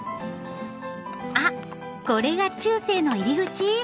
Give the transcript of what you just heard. あっこれが中世の入り口？